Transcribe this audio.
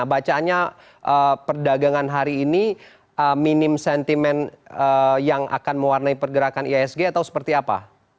bacaannya perdagangan hari ini minim sentimen yang akan mewarnai pergerakan ihsg atau seperti apa